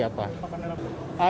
saya tidak tahu apa